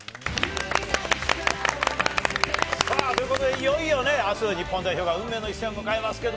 いよいよあす日本代表が運命の一戦を迎えます。